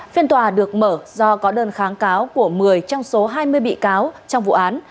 phiên tòa được mở do có đơn kháng cáo của một mươi trong số hai mươi bị cáo trong vụ án